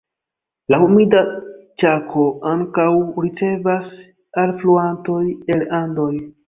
La Humida Ĉako ankaŭ ricevas alfluantoj el Andoj.